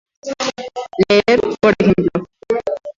Leer, por ejemplo.